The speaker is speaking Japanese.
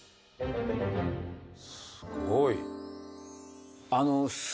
すごい。